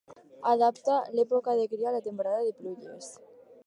Adapta l'època de cria a la temporada de pluges.